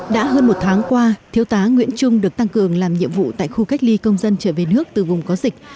đã hơn một tháng qua thiếu tá nguyễn trung được tăng cường làm nhiệm vụ tại khu cách ly công dân trở về nước từ vùng có dịch